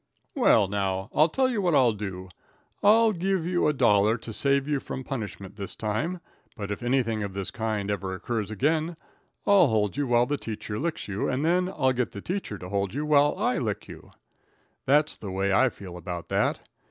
"Well, now, I'll tell you what I'll do. I'll give you a dollar to save you from punishment this time, but if anything of this kind ever occurs again I'll hold you while the teacher licks you, and then I'll get the teacher to hold you while I lick you. That's the way I feel about that.